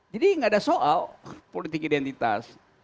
jadi tidak ada soal politik identitas